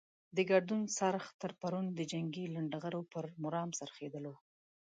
د ګردون څرخ تر پرون د جنګي لنډه غرو پر مرام را څرخېدلو.